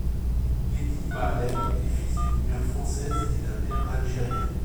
Heddy Maalem est fils d'une mère française et d'un père algérien.